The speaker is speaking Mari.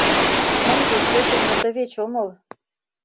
Мый вет шочынжо тывеч омыл.